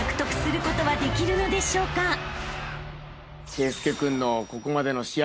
圭佑君のここまでの試合